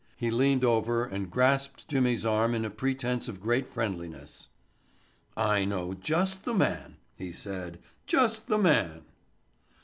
He leaned over and grasped Jimmy's arm in a pretense of great friendliness. "I know just the man," he said, "just the man."